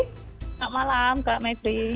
selamat malam kak mekri